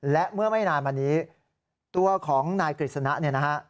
และเมื่อไม่นานมานี้ตัวของนายกฤษณะเนี่ยนะฮะ